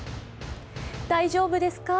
大丈夫ですか？